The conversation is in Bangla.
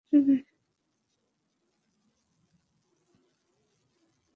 থাঙ্গারাজ, তুমি কী সেই স্টেশনের রাইটার ছিলে না?